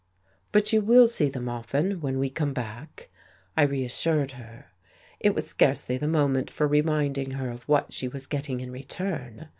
"But you will see them often, when we come back," I reassured her. It was scarcely the moment for reminding her of what she was getting in return.